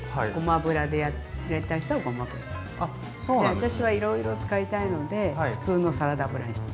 私はいろいろ使いたいので普通のサラダ油にしてる。